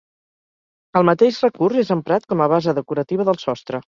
El mateix recurs és emprat com a base decorativa del sostre.